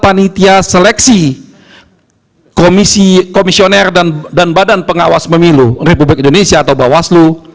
panitia seleksi komisioner dan badan pengawas pemilu republik indonesia atau bawaslu